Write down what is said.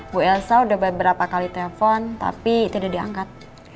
bu elsa udah beberapa kali telfon tapi tidak diangkat